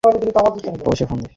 পৌঁছে ফোন করিস।